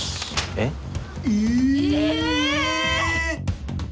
えっ？えっ！？